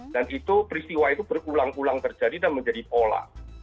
dan itu peristiwa itu berulang ulang terjadi dan menjadi pola